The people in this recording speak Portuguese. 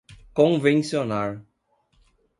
convencionar